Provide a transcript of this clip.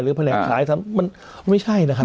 หรือแผนกขายทำมันไม่ใช่นะครับ